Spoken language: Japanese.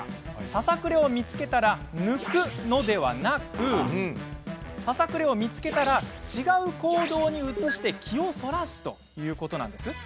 ささくれを見つけたら抜くのではなくささくれを見つけたら違う行動に移して気をそらすということなんです。